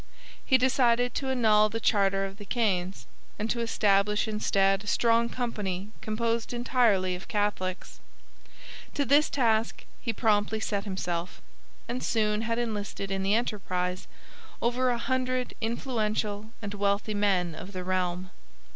He decided to annul the charter of the Caens and to establish instead a strong company composed entirely of Catholics. To this task he promptly set himself, and soon had enlisted in the enterprise over a hundred influential and wealthy men of the realm.